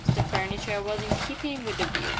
The furniture was in keeping with the view.